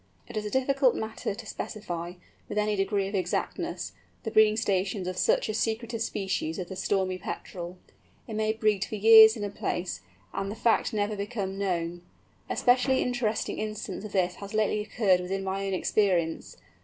It is a difficult matter to specify, with any degree of exactness, the breeding stations of such a secretive species as the Stormy Petrel. It may breed for years in a place, and the fact never become known. A specially interesting instance of this has lately occurred within my own experience.